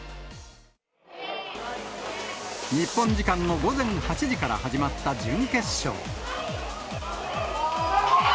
日本時間の午前８時から始まった準決勝。